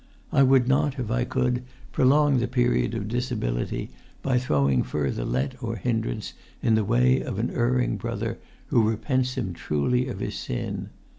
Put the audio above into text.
I would not, if I could, prolong the period of disability by throwing further let or hindrance in the way of an erring brother who repents him truly of his sin.